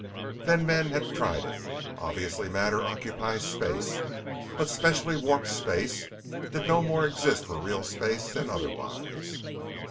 Then men had tried it. Obviously matter occupies space, but specially warped space did no more exist for real space than otherwise.